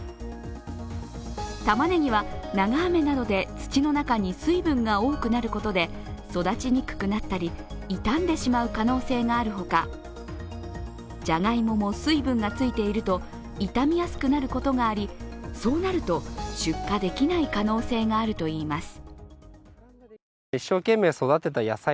たまねぎは長雨などで土の中に水分が多くなることで育ちにくくなったり、傷んでしまう可能性があるほか、じゃがいもも、水分がついていると傷みやすくなることがありそうなると出荷できない可能性があるといいます。